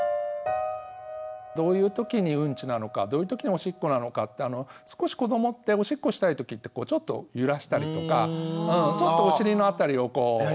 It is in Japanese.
どういう時にうんちなのかどういう時におしっこなのか少し子どもっておしっこしたい時ってちょっと揺らしたりとかちょっとお尻の辺りをこうしたりとか。